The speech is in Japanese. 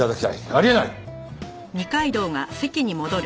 あり得ない！